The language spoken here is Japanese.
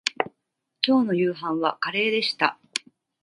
きょうの夕飯はカレーでした